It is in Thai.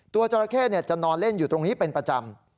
จราเข้จะนอนเล่นอยู่ตรงนี้เป็นประจำ